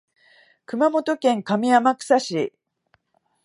熊本県上天草市